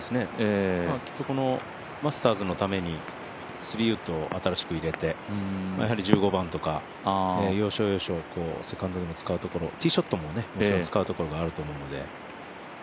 このマスターズのために３ウッドを新しく入れてやはり１５番とか要所要所、セカンドでも使うところ、ティーショットももちろん使うところがあると思うんで。